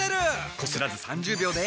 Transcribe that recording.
こすらず３０秒で。